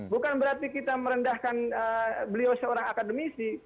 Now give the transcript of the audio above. bukan berarti kita merendahkan beliau seorang akademisi